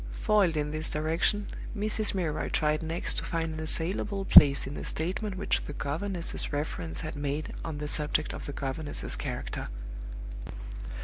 Foiled in this direction, Mrs. Milroy tried next to find an assailable place in the statement which the governess's reference had made on the subject of the governess's character.